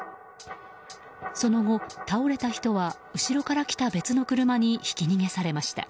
その後、倒れた人は後ろから来た別の車にひき逃げされました。